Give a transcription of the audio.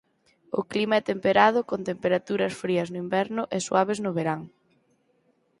O clima é temperado con temperaturas frías no inverno e suaves no verán.